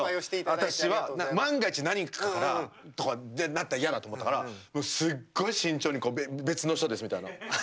私は万が一、何かとかなったら嫌だと思ったからすごい慎重に別の人ですみたいな。